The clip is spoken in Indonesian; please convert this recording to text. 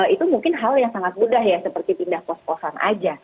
itu mungkin hal yang sangat mudah ya seperti pindah kos kosan aja